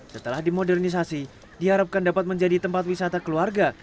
setelah dimodernisasi diharapkan dapat menjadi tempat wisata keluarga